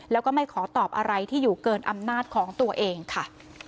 แล้วก็ไม่ขอตอบอะไรที่อยู่เกินอำนาจของตัวเองค่ะ